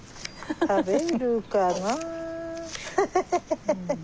食べるかな？